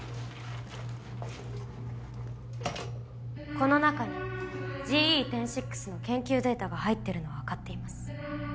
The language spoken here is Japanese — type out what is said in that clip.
この中にＧＥ１０．６の研究データが入ってるのは分かっています。